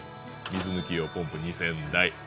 水抜き用ポンプ２０００台４０億円。